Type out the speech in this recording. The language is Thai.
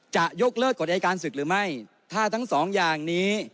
จะยกเลิกกฎอายการศึกหรือไม่ถ้าทั้งสองอย่างนี้